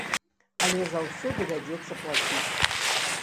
Але за ўсё давядзецца плаціць.